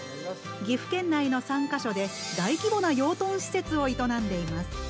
岐阜県内の３か所で大規模な養豚施設を営んでいます。